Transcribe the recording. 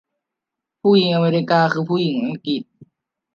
ผู้หญิงอเมริกันคือผู้หญิงอังกฤษ